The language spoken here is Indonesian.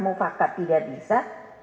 mufakat tidak bisa